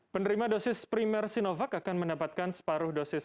penerima dosis primer sinovac akan mendapatkan separuh dosis